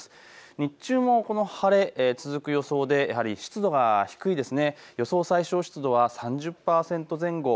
日中もこの晴れが続く予想でやはり湿度が低いですね。